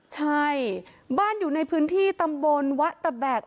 ใช่บ้านอยู่ในพื้นที่ตำบลวะตะแบก